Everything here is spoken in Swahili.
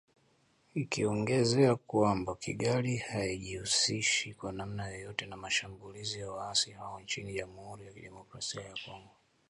Ikiongezea kwamba “Kigali haijihusishi kwa namna yoyote na mashambulizi ya waasi hao nchini Jamuhuri ya Kidemokrasia ya Kongo"